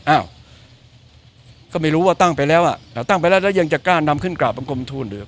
อ้าวก็ไม่รู้ว่าตั้งไปแล้วอ่ะตั้งไปแล้วแล้วยังจะกล้านำขึ้นกราบบังคมทูลหรือ